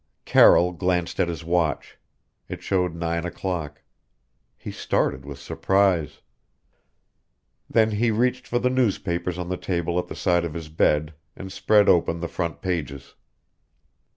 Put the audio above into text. Carroll glanced at his watch. It showed nine o'clock. He started with surprise. Then he reached for the newspapers on the table at the side of his bed, and spread open the front pages.